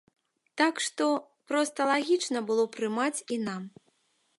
Так што, проста лагічна было прымаць і нам.